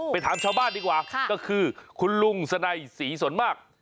ถามชาวบ้านดีกว่าก็คือคุณลุงสนัยศรีสนมาก